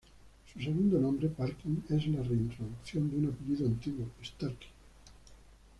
Su segundo nombre, Parkin, es la re-introducción de un apellido antiguo Starkey.